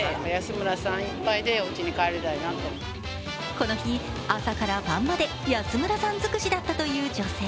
この日、朝から晩まで安村さん尽くしだったという女性。